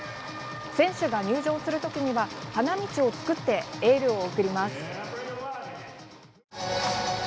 選手が入場する時には花道を作ってエールを送ります。